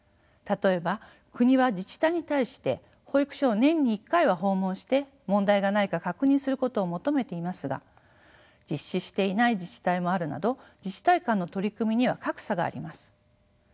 例えば国は自治体に対して保育所を年に１回は訪問して問題がないか確認することを求めていますが実施していない自治体もあるなど自治体間の取り組みには格差があります。